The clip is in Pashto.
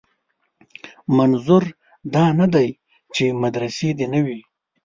منظور دا نه دی چې مدرسې دې نه وي.